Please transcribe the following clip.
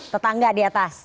tetangga di atas